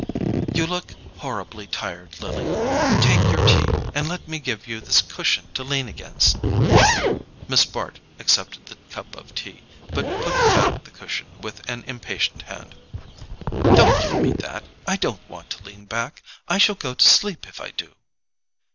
"You look horribly tired, Lily; take your tea, and let me give you this cushion to lean against." Miss Bart accepted the cup of tea, but put back the cushion with an impatient hand. "Don't give me that! I don't want to lean back—I shall go to sleep if I do."